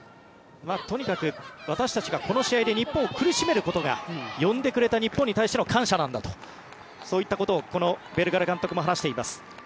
とにかく私たちがこの試合で日本を苦しめることが呼んでくれた日本に対しての感謝なんだとそういったことをこのベルガラ監督も話しています。